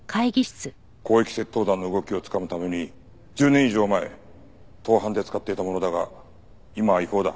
広域窃盗団の動きをつかむために１０年以上前盗犯で使っていたものだが今は違法だ。